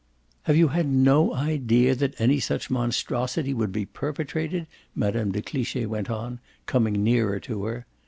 "Have you had no idea that any such monstrosity would be perpetrated?" Mme. de Cliche went on, coming nearer to her.